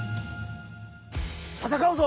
戦うぞ！